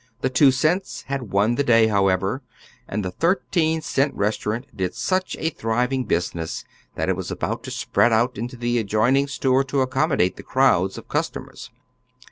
Tiie two cents Iiad won the day, however, and the thirteen cent restaurant did such a thriving business that it was about to spread out into the adjoining store to accommodate the crowds of customers.